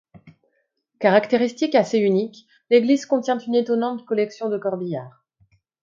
Caractéristique assez unique, l'église contient une étonnante collection de corbillards.